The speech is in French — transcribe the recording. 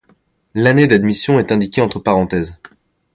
L'année d'admission est indiquée entre parenthèses.